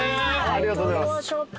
ありがとうございます。